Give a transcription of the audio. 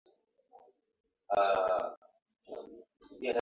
iko inakuja iko inahesimishwa kidogo kidogo sio yote